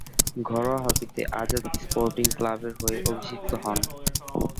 ঘরোয়া হকিতে আজাদ স্পোর্টিং ক্লাবের হয়ে অভিষিক্ত হন।